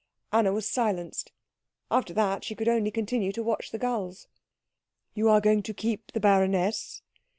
Anna was silenced. After that she could only continue to watch the gulls. "You are going to keep the baroness?"